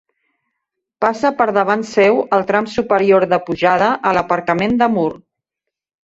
Passa per davant seu el tram superior de pujada a l'aparcament de Mur.